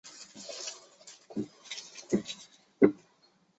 这些材料由于战乱而散失。